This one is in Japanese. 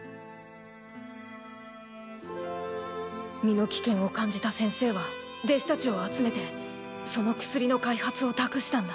身の危険を感じた先生は弟子たちを集めてその薬の開発を託したんだ。